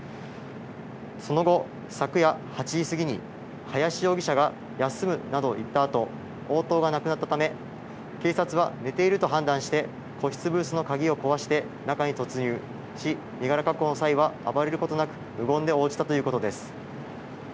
その後、昨夜８時過ぎに、林容疑者が休むなどと言ったあと、応答がなくなったため、警察は寝ていると判断して、個室ブースの鍵を壊して中に突入し、身柄確保の際は、暴れることなく無言で応じたということです。